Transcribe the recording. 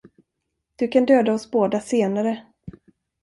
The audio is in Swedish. Du kan döda oss båda senare.